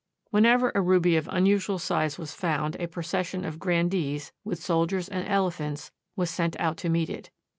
Whenever a ruby of unusual size was found a procession of grandees, with soldiers and elephants, was sent out to meet it.